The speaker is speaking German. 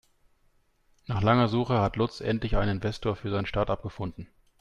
Nach langer Suche hat Lutz endlich einen Investor für sein Startup gefunden.